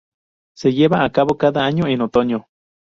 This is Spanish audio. Se lleva a cabo cada año en otoño.